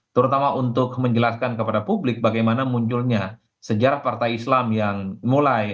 terutama untuk menjelaskan kepada publik bagaimana munculnya sejarah partai islam yang mulai